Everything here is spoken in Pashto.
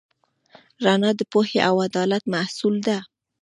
رڼا د پوهې او عدالت محصول ده.